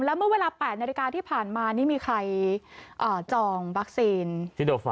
แล้วเมื่อเวลา๘นาฬิกาที่ผ่านมานี่มีใครจองวัคซีน